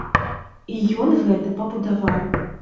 І ён гэта пабудаваў.